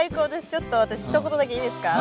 ちょっと私ひと言だけいいですか。